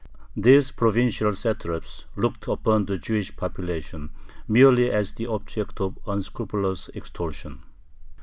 These provincial satraps looked upon the Jewish population merely as the object of unscrupulous extortion.